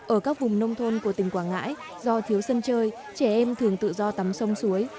ở các vùng nông thôn của tỉnh quảng ngãi do thiếu sân chơi trẻ em thường tự do tắm sông suối